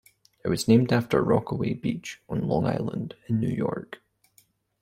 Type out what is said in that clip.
It was named after Rockaway Beach on Long Island in New York.